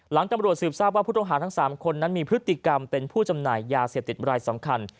ตำรวจสืบทราบว่าผู้ต้องหาทั้ง๓คนนั้นมีพฤติกรรมเป็นผู้จำหน่ายยาเสพติดรายสำคัญ